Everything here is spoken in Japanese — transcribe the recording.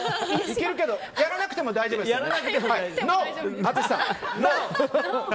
いけるけどやらなくても大丈夫ですよね。